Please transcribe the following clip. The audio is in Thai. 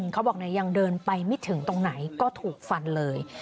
เขาบอกยังเดินไปไม่ถึงตรงไหนก็ถูกฟันเลย